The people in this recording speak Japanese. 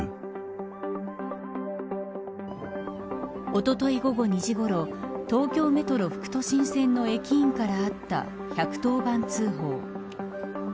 おととい午後２時ごろ東京メトロ副都心線の駅員からあった１１０番通報。